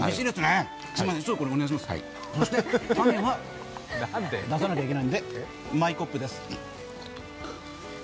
そして種は出さなきゃいけないんで、マイコップです。